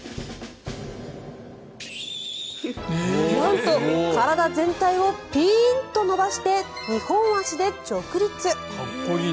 なんと体全体をピーンと伸ばして２本足で直立。